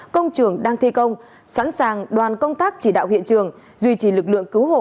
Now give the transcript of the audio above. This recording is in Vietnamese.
công trường đang thi công sẵn sàng đoàn công tác chỉ đạo hiện trường duy trì lực lượng cứu hộ